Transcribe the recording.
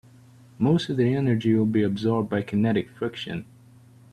Most of the energy will be absorbed by kinetic friction.